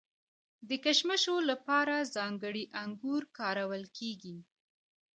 د کشمشو لپاره ځانګړي انګور کارول کیږي.